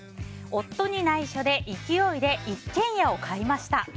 夫に内緒で、勢いで一軒家を買いました。